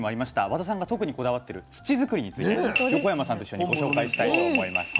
和田さんが特にこだわってる土づくりについて横山さんと一緒にご紹介したいと思います。